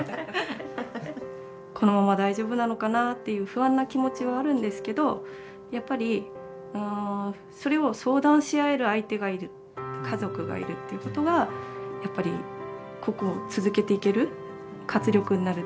このまま大丈夫なのかなっていう不安な気持ちはあるんですけどやっぱりそれを相談し合える相手がいる家族がいるっていうことはやっぱりここを続けていける活力になるっていうかはい。